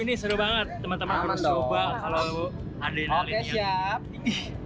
ini seru banget teman teman harus coba kalau adrenalinnya tinggi